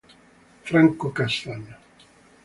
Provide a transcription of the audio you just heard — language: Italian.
Franco Cassano